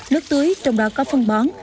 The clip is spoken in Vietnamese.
nước tưới trong đó có phân bón